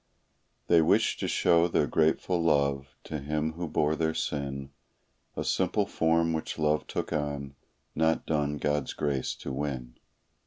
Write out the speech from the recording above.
They wished to show their grateful love to Him who bore their sin; A simple form which love took on, not done God's grace to win.